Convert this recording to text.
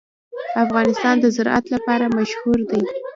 افغانستان د زراعت لپاره مشهور دی.